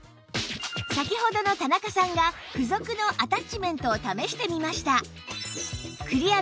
先ほどの田中さんが付属のアタッチメントを試してみました